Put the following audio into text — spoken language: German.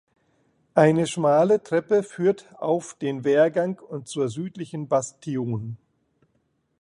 Eine schmale Treppe führt auf den Wehrgang und zur südlichen Bastion.